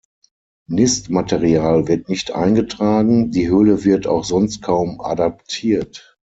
Nistmaterial wird nicht eingetragen, die Höhle wird auch sonst kaum adaptiert.